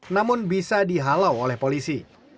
namun bisa dihalau oleh polisi